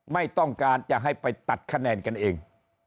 ไม่ต้องการจะให้ไปตัดคะแนนกันเอง